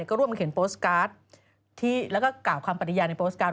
ก็ร่วมเข็มโปสต์การ์ดแล้วก็กล่าวความปฏิญาณในโปสต์การ์ด